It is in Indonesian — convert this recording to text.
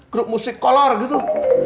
grup musik kolor gitu